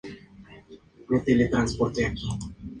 Laika fue recogida en las calles de Moscú, junto a otros perros.